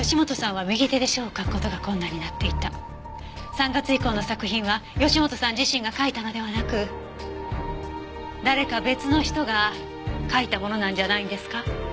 ３月以降の作品は義本さん自身が書いたのではなく誰か別の人が書いたものなんじゃないんですか？